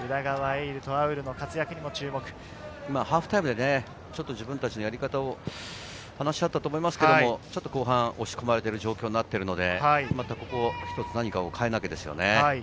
ハーフタイムで自分たちのやり方を話し合ったと思いますが、ちょっと後半、押し込まれている状況なので、一つ何かを変えなければですね。